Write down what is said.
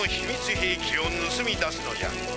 へいきをぬすみ出すのじゃ。